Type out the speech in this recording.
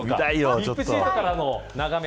ＶＩＰシートからの眺め